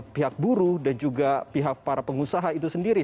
pihak buruh dan juga pihak para pengusaha itu sendiri